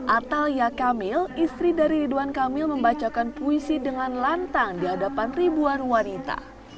atalia kamil istri dari ridwan kamil membacakan puisi dengan lantang di hadapan ribuan wanita